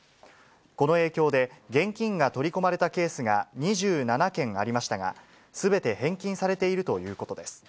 この影響で、現金が取り込まれたケースが２７件ありましたが、すべて返金されているということです。